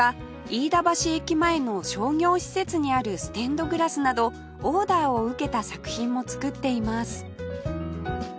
飯田橋駅前の商業施設にあるステンドグラスなどオーダーを受けた作品も作っています